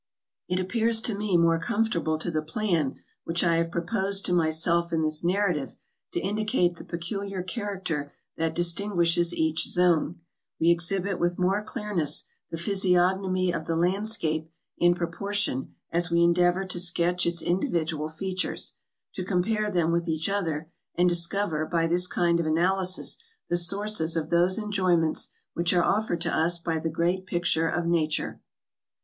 It appears to me more conformable to the plan which I have proposed to myself in this narrative, to indicate the peculiar character that dis tinguishes each zone ; we exhibit with more clearness the physiognomy of the landscape in proportion as we endeavor to sketch its individual features, to compare them with each other, and discover by this kind of analysis the sources of those enjoyments which are offered to us by the great pic ture of nature.